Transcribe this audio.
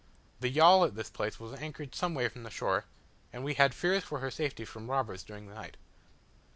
The yawl at this place was anchored some way from the shore, and we had fears for her safety from robbers during the night.